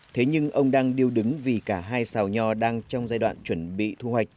thế nhưng ông đang điêu đứng vì cả hai xào nho đang trong giai đoạn chuẩn bị thu hoạch